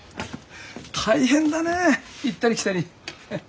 大変だねぇ行ったり来たり。